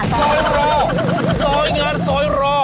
ซอยรอซอยงานซอยรอ